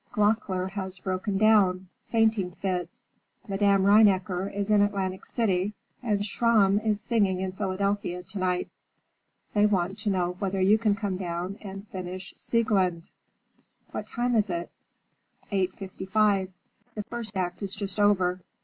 "Gloeckler has broken down: fainting fits. Madame Rheinecker is in Atlantic City and Schramm is singing in Philadelphia tonight. They want to know whether you can come down and finish Sieglinde." "What time is it?" "Eight fifty five. The first act is just over.